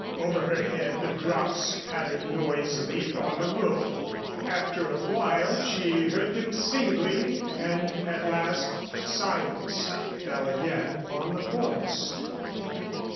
Over her head the drops pattered noisily upon the roof. After awhile, she heard them singly and at last silence fell again upon the forest.